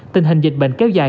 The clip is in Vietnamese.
tình hình dịch bệnh kéo dài